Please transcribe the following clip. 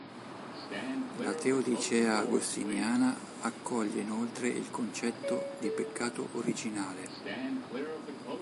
La teodicea agostiniana accoglie inoltre il concetto di peccato originale.